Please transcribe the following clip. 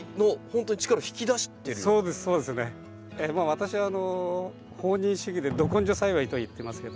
私は放任主義で「ど根性栽培」と言ってますけど。